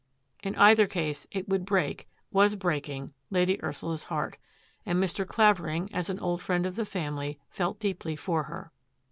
In either case it would break, was breaking. Lady Ursula's heart, and Mr. Clavering, as an old friend of the family, felt deeply for her.